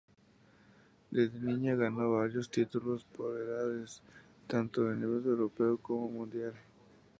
Desde niña ganó varios títulos por edades, tanto de nivel europeo como mundial.